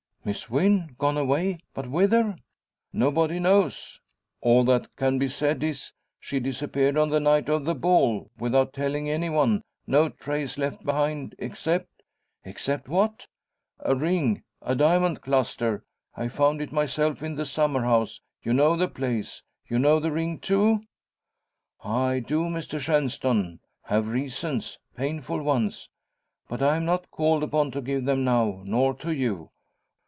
"Miss Wynn gone away! But whither?" "Nobody knows. All that can be said is, she disappeared on the night of the ball, without telling any one no trace left behind except " "Except what?" "A ring a diamond cluster. I found it myself in the summer house. You know the place you know the ring too?" "I do, Mr Shenstone; have reasons, painful ones. But I am not called upon to give them now, nor to you.